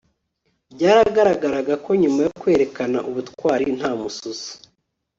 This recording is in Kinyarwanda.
Byagaragaraga ko nyuma yo kwerekana ubutwari nta mususu